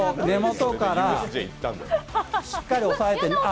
根元からしっかり抑えて。